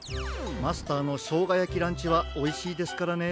マスターのしょうがやきランチはおいしいですからね。